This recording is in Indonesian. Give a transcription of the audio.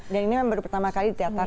dan ini memang pertama kali di teater